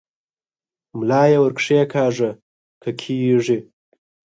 ملا یې ور کښېکاږه که کېږي؟